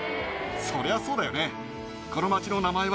そりゃそうだよね。